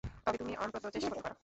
তবে তুমি অন্তত চেষ্টা করতে পারো।